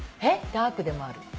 ダークでもある。